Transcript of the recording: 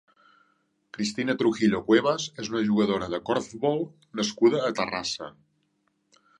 Cristina Trujillo Cuevas és una jugadora de corfbol nascuda a Terrassa.